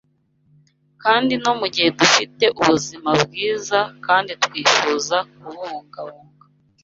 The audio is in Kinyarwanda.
Kandi no mu gihe dufite ubuzima bwiza kandi twifuza kububungabunga